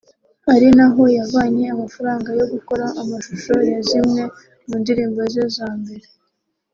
ari naho yavanye amafaranga yo gukora amashusho ya zimwe mu ndirimbo ze za mbere